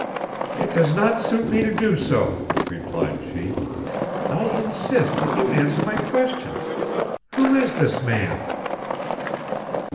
"It does not suit me to do so," replied she. "I insist that you answer my questions. Who is this man?"